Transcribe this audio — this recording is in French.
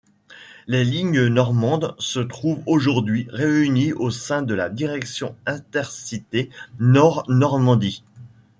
Les lignes normandes se trouvent aujourd'hui réunies au sein de la Direction Intercités Nord-Normandie.